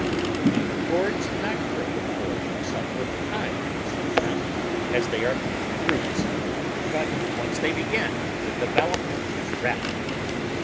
The gourds do not grow for some little time after setting out, as they are making roots; but once they begin the de velopment is rapid.